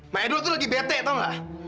maedul tuh lagi bete tau gak